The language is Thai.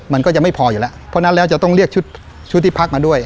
มันก็ยังไม่พออยู่แล้วเพราะฉะนั้นแล้วจะต้องเรียกชุดชุดที่พักมาด้วย